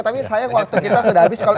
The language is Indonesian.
tapi sayang waktu kita sudah habis